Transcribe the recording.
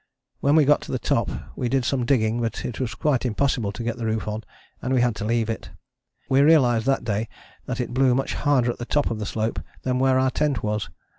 When we got to the top we did some digging but it was quite impossible to get the roof on, and we had to leave it. We realized that day that it blew much harder at the top of the slope than where our tent was.